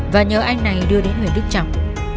và nhớ anh này đưa đến nguyễn đức trọng